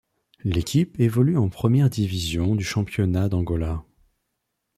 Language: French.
L'équipe évolue en première division du championnat d'Angola.